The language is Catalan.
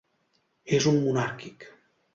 És un monàrquic.